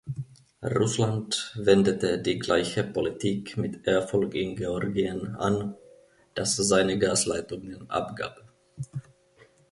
Russland wendete die gleiche Politik mit Erfolg in Georgien an, das seine Gasleitungen abgab.